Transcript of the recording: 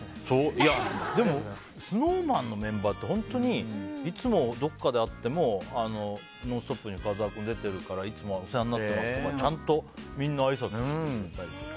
ＳｎｏｗＭａｎのメンバーはいつもどこかで会っても「ノンストップ！」に深澤君出てるからいつもお世話になってますってちゃんとみんなあいさつしてくれたりとか。